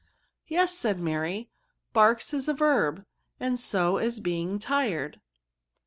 " Yes," said Mary ;" barks is a verb, and so is being tired."